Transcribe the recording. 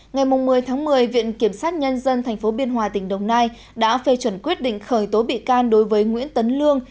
ngày một mươi một mươi viện kiểm sát nhân dân tp biên hòa tỉnh đồng nai đã phê chuẩn quyết định khởi tố bị can đối với nguyễn tấn lương